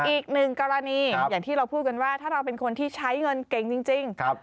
อีกหนึ่งกรณีอย่างที่เราพูดกันว่าถ้าเราเป็นคนที่ใช้เงินเก่งจริง